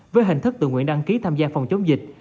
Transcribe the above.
với hình thức tự nguyện đăng ký tham gia phòng chống dịch